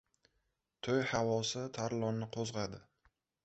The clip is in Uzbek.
To‘y havosi Tarlonni qo‘zg‘adi.